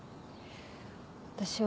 私は。